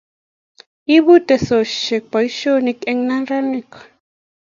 Ibu teksosiek boisionik eng neranik